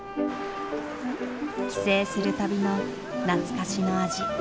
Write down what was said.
帰省する旅の懐かしの味。